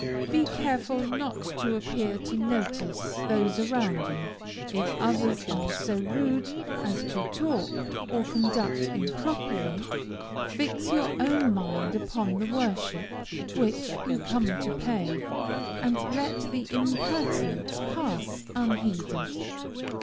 Be careful not to appear to notice those around you. If others are so rude as to talk or conduct improperly, fix your own mind upon the worship which you come to pay, and let the impertinence pass unheeded.